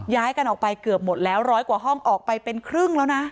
ย้ายกันออกไปเกือบหมดแล้วร้อยกว่าห้องออกไปเป็นครึ่งแล้วนะ